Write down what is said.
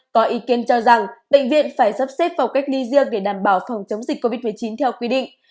có ý kiến cho rằng bệnh viện phải sắp xếp phòng cách ly riêng để đảm bảo phòng chống dịch covid một mươi chín theo quy định